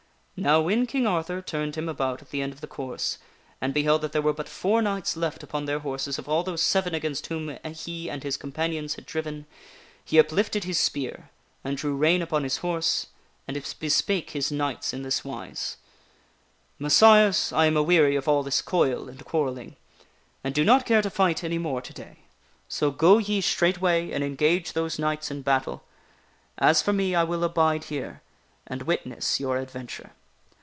Now when King Arthur turned him about at the end of the course and beheld that there were but four knights left upon their horses of all those seven against whom he and his companions had driven, he uplifted his spear, and drew rein upon his horse, and bespake his knights in this wise :" Messires, I am aweary of all this coil and quarrelling, and do not care to fight any more to day, so go ye straightway and engage those knights in battle. As for me, I will abide here, and witness your adventure."